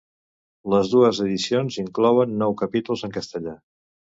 Les dues edicions inclouen nou capítols en castellà.